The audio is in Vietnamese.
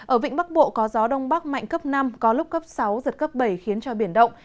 ở vịnh bắc bộ có gió đông bắc mạnh cấp năm có lúc cấp sáu giật cấp bảy khiến cho biển động